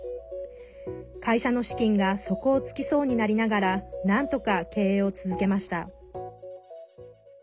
会社の資金が底をつきそうになりながらなんとか経営を続けました。